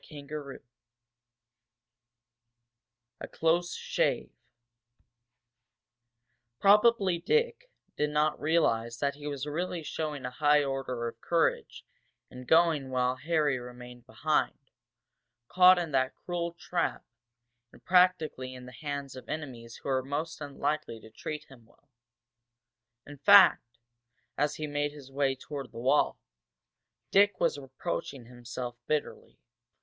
CHAPTER VII A CLOSE SHAVE Probably Dick did not realize that he was really showing a high order of courage in going while Harry remained behind, caught in that cruel trap and practically in the hands of enemies who were most unlikely to treat him well. In fact, as he made his way toward the wall, Dick was reproaching himself bitterly.